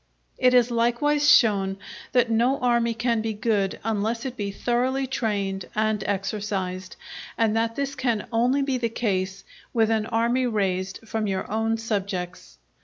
It is likewise shown that no army can be good unless it be thoroughly trained and exercised, and that this can only be the case with an army raised from your own subjects.